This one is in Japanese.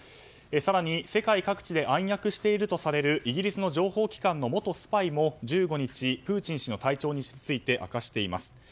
更に世界各地で暗躍しているとされるイギリスの情報機関の元スパイも１５日、プーチン氏の体調について明かしています。